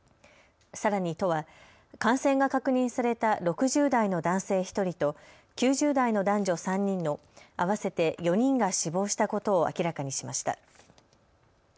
さらに都は感染が確認された６０代の男性１人と、９０代の男女３人の合わせて４人が死亡したことを明らかにしました。